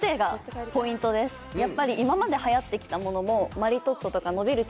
やっぱり今まで流行ってきたものも。